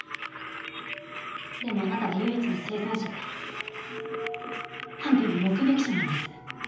でもあなたが唯一の生存者で犯人の目撃者なんです。